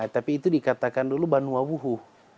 tapi itu dikatakan dulu banu wawuhu